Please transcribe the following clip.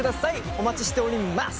お待ちしております。